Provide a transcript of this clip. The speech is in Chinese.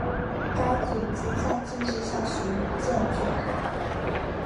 该组织在政治上属于建制派。